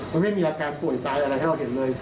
มันไม่มีอาการป่วยตายอะไรให้เราเห็นเลย